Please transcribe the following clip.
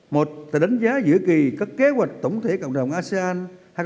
một tầng đánh giá giữa kỳ các kế hoạch tổng thể cộng đồng asean hai nghìn hai mươi năm